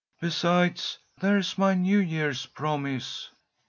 Besides, there's my New Yeah's promise!"